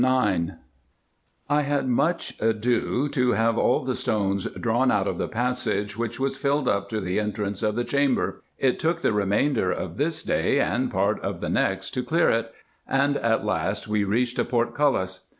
269 I had much ado to have all the stones drawn out of the passage, ■which was rilled up to the entrance of the chamber. It took the remainder of this day and part of the next to clear it, and at last we reached a portcullis.